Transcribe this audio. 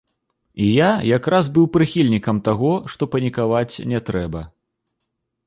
І я як раз быў прыхільнікам таго, што панікаваць не трэба.